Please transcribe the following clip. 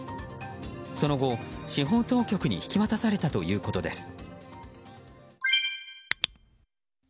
その後、司法当局に引き渡されたということです。